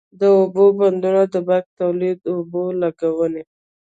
د اوبو بندونه د برق تولید، اوبو لګونی،